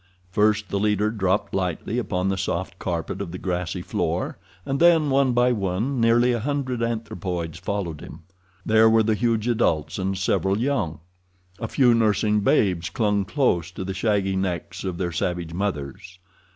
First the leader dropped lightly upon the soft carpet of the grassy floor, and then, one by one, nearly a hundred anthropoids followed him. There were the huge adults and several young. A few nursing babes clung close to the shaggy necks of their savage mothers.